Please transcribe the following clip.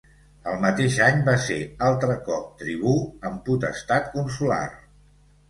El mateix any va ser altre cop tribú amb potestat consolar.